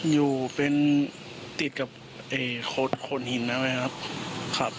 อยู่เป็นติดกับโคดขนหินนะครับ